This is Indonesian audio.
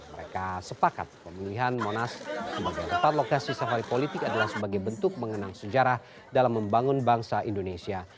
mereka sepakat pemilihan monas sebagai tempat lokasi safari politik adalah sebagai bentuk mengenang sejarah dalam membangun bangsa indonesia